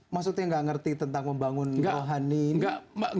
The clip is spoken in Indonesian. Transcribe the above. maksudnya nggak ngerti tentang membangun rohani ini